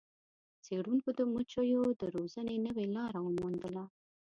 څیړونکو د مچیو د روزنې نوې لاره وموندله.